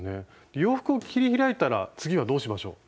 洋服を切り開いたら次はどうしましょう？